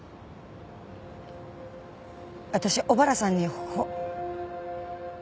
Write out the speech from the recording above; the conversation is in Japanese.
私小原さんにほ。